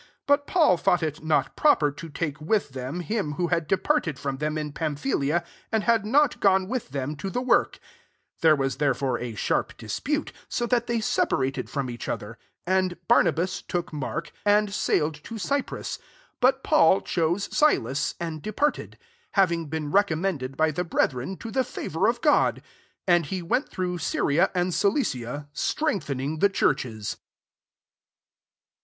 38 But Paul thought it not proper to take with them, him who had departed from them in Pamphylia, and had not gone with them to the work .39 There was therefore a sharp dispute, so that they separated from each other ; and Barnabas took Mark, and sail* ed to Cyprus. 40 But Paul chose Silas, and departed ; having been re commended by the brethren to the favour of God. 41 And he went through Syria andCihcia^ strengthening the churches.